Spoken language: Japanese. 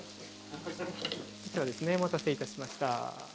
こちらですねお待たせいたしました。